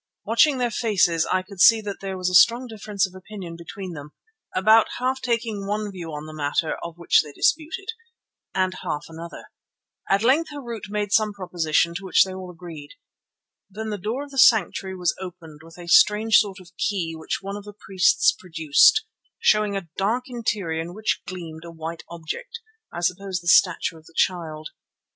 Watching their faces I could see that there was a strong difference of opinion between them, about half taking one view on the matter of which they disputed, and half another. At length Harût made some proposition to which they all agreed. Then the door of the sanctuary was opened with a strange sort of key which one of the priests produced, showing a dark interior in which gleamed a white object, I suppose the statue of the Child.